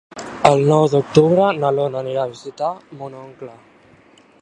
El nou d'octubre na Lola anirà a visitar mon oncle.